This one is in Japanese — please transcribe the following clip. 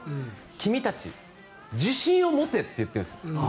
君たち、自信を持てと言ってるんですよ。